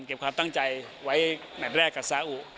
ความตั้งใจไว้แมทแรกกับซาอุ